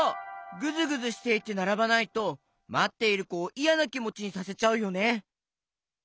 ぐずぐずしていてならばないとまっているこをいやなきもちにさせちゃうよね。